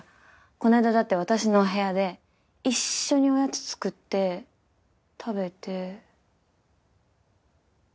この間だって私のお部屋で一緒におやつ作って食べて。